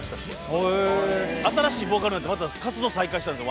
へえー新しいボーカルになってまた活動再開したんですよ